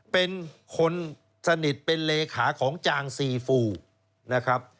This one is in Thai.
เป็นคนสนิทเป็นเลขาของจางซีฟูนะครับ